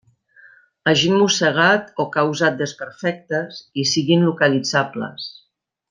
Hagin mossegat o causat desperfectes i siguin localitzables.